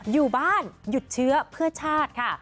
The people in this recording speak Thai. อยู่บ้านหยุดเชื้อเพื่อชาติค่ะ